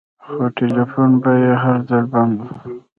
خو ټېلفون به يې هر ځل بند و.